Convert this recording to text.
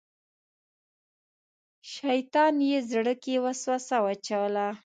شیطان یې زړه کې وسوسه واچوله.